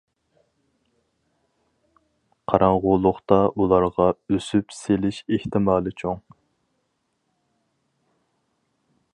قاراڭغۇلۇقتا ئۇلارغا ئۈسۈپ سېلىش ئېھتىمالى چوڭ.